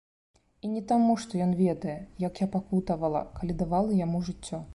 І не таму, што ён ведае, як я пакутавала, калі давала яму жыццё.